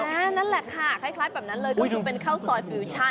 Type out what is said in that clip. นั่นแหละค่ะคล้ายแบบนั้นเลยก็คือเป็นข้าวซอยฟิวชั่น